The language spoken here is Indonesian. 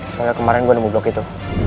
soalnya kemarin gua nunggu blog itu